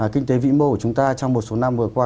kinh tế vĩ mô của chúng ta trong một số năm vừa qua